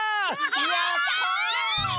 やった！